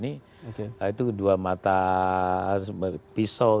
itu dua mata pisau